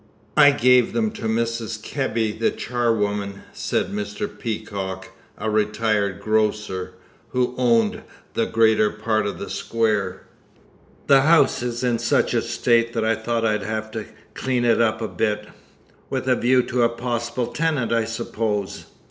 "I gave them to Mrs. Kebby, the charwoman," said Mr. Peacock, a retired grocer, who owned the greater part of the square. "The house is in such a state that I thought I'd have it cleaned up a bit." "With a view to a possible tenant, I suppose?"